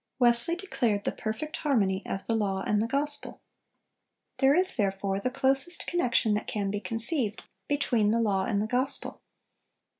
(380) Wesley declared the perfect harmony of the law and the gospel. "There is, therefore, the closest connection that can be conceived, between the law and the gospel.